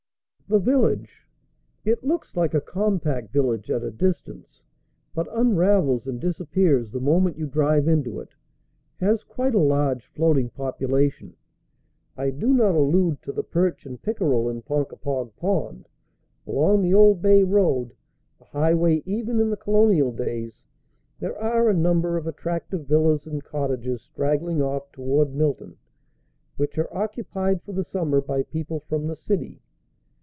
The village it looks like a compact village at a distance, but unravels and disappears the moment you drive into it has quite a large floating population. I do not allude to the perch and pickerel in Ponkapog Pond. Along the Old Bay Road, a highway even in the Colonial days, there are a number of attractive villas and cottages straggling off toward Milton, which are occupied for the summer by people from the city.